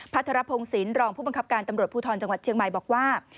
ทรพงศิลปรองผู้บังคับการตำรวจภูทรจังหวัดเชียงใหม่บอกว่า